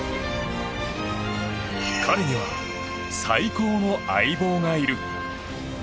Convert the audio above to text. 彼には最高の相棒がいる。